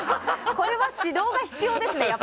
これは指導が必要ですね。